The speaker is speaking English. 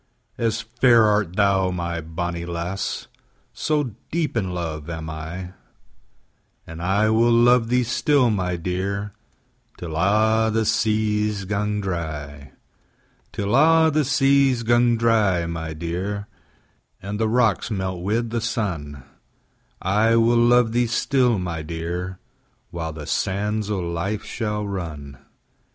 As fair art thou, my bonnie lass, 5 So deep in luve am I: And I will luve thee still, my dear, Till a' the seas gang dry: Till a' the seas gang dry, my dear, And the rocks melt wi' the sun; 10 I will luve thee still, my dear, While the sands o' life shall run.